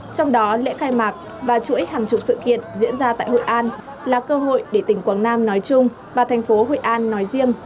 trong đó lễ khai mạc và chuỗi hàng chục sự kiện diễn ra tại hội an là cơ hội để tỉnh quảng nam nói chung và thành phố hội an nói riêng